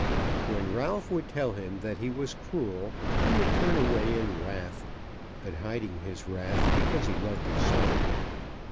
When Ralph would tell him that he was cruel, he would turn away in wrath; but hiding his wrath, because he loved his son.